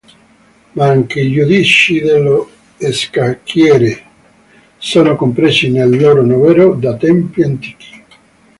Ma anche i giudici dello Scacchiere sono compresi nel loro novero da tempi antichi.